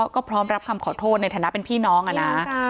ก็พร้อมรับคำขอโทษในฐานะเป็นพี่น้องอะนะ